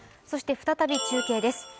そして再び中継です